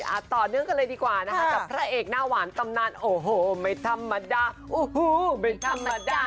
ต่อเนื่องกันเลยดีกว่านะคะกับพระเอกหน้าหวานตำนานโอ้โหไม่ธรรมดาโอ้โหไม่ธรรมดา